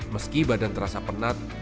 meski badan terasa penat